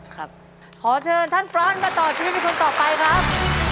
ขอเชิญท่านฟรอนมาต่อชีวิตเป็นคนต่อไปครับ